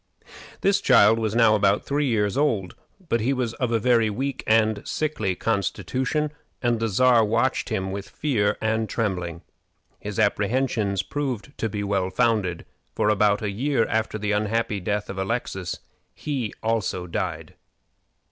This child was now about three years old, but he was of a very weak and sickly constitution, and the Czar watched him with fear and trembling. His apprehensions proved to be well founded, for about a year after the unhappy death of Alexis he also died.